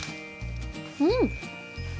うん！